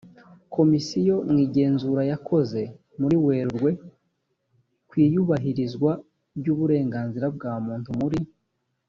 komisiyo mu igenzura yakoze muri werurwe ku iyubahirizwa ry uburenganzira bwa muntu muri